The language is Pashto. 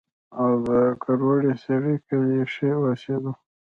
او د کروړې سېرۍ کلي کښې اوسېدو